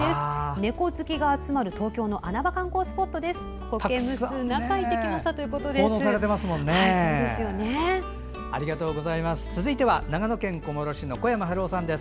猫好きが集まる東京の穴場観光スポットです。